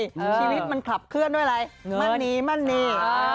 ชีวิตมันขับเคลื่อนด้วยอะไรมั่นนีมั่นนี